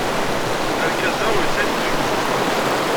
Argaz-a ur yesɛi lebɣi ijehden.